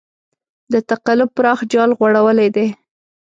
د تقلب پراخ جال غوړولی دی.